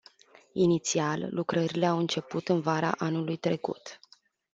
Inițial, lucrările au început în vara anului trecut.